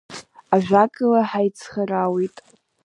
Ажәакала ҳаицхыраауеит.